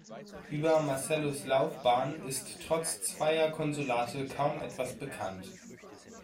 Über Marcellus’ Laufbahn ist trotz zweier Konsulate kaum etwas bekannt.